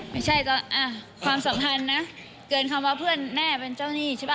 ไม่ใช่จะความสัมพันธ์นะเกินคำว่าเพื่อนแน่เป็นเจ้าหนี้ใช่ป